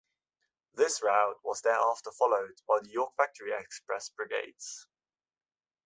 This route was thereafter followed by the York Factory Express brigades.